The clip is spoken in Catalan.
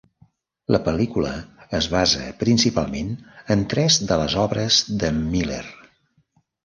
La pel·lícula es basa principalment en tres de les obres de Miller.